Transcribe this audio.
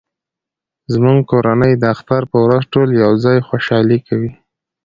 زموږ کورنۍ د اختر په ورځ ټول یو ځای خوشحالي کوي